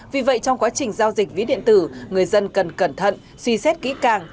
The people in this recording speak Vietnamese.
vì vậy trong quá trình giao dịch ví điện tử người dân cần cẩn thận suy xét kỹ càng